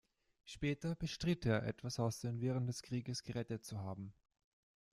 Später bestritt er, etwas aus den Wirren des Krieges gerettet zu haben.